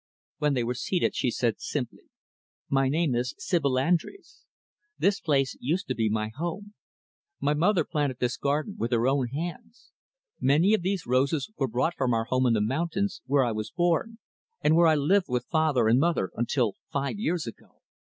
When they were seated, she said simply, "My name is Sibyl Andres. This place used to be my home. My mother planted this garden with her own hands. Many of these roses were brought from our home in the mountains, where I was born, and where I lived with father and mother until five years ago.